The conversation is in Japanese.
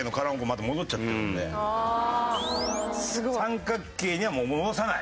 三角形にはもう戻さない。